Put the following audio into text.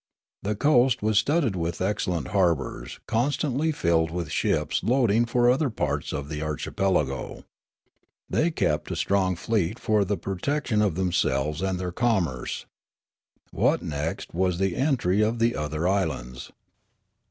The coast was studded with excellent harbours constantly filled with ships loading for other parts of the archipelago. They kept a strong fleet for the protection of themselves and their commerce. Wotnekst was the envy of the other islands.